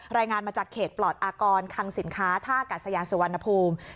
รายงานมาจากเขตปลอดอากรคังสินค้าท่ากัดสยานสุวรรณภูมิ